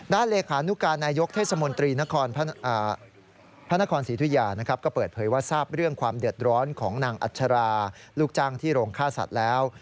เลขานุการนายกเทศมนตรีพระนครศรีธุยาก็เปิดเผยว่าทราบเรื่องความเดือดร้อนของนางอัชราลูกจ้างที่โรงฆ่าสัตว์แล้ว